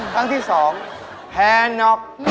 ครั้งที่๒แพ้น็อก